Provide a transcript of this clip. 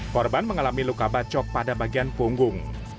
korban mengalami luka bacok pada bagian punggung